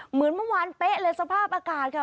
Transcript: เหมือนเมื่อวานเป๊ะเลยสภาพอากาศค่ะ